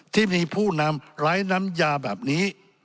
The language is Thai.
ที่มีผู้นำไร้น้ำยาแบบนี้